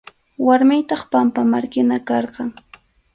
Warmiytaq pampamarkina karqan.